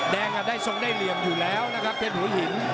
แดงน่าส่งได้เหลี่ยงอยู่แล้วนะครับเดินหัวหิน